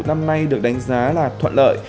năm nay được đánh giá là thuận lợi